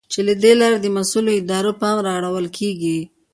چې له دې لارې د مسؤلو ادارو پام را اړول کېږي.